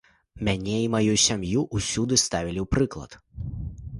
Мяне і маю сям'ю ўсюды ставілі ў прыклад.